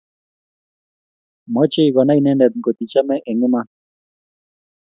Mochei konai inendet ngot ii chame eng iman.